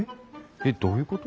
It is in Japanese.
えっどういうこと？